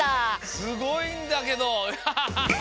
すごいんだけどアハハハハ！